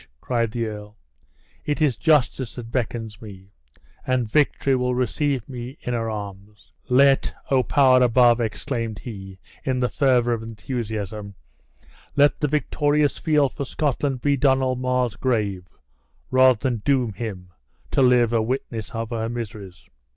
cried the earl, "it is justice that beckons me, and victory will receive me to her arms. Let, oh Power above!" exclaimed he, in the fervor of enthusiasm, "let the victorious field for Scotland be Donald Mar's grave, rather than doom him to live a witness of her miseries!"